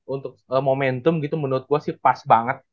untuk momentum gitu menurut gue sih pas banget